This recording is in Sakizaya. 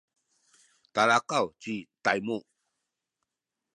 talakaw ci Taymu